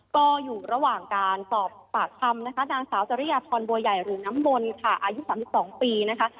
คุณพลอยสจิริทศิษฐศิลป์น้ำมนต์ค่ะอายุ๓๒ปีนะคะ